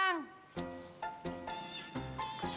selamat pagi bu